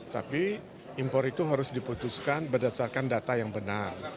tapi impor itu harus diputuskan berdasarkan data yang benar